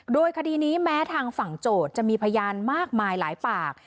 โดยคดีนี้แม้ทางฝั่งโจทย์จะมีพยานมากมายหลายปาก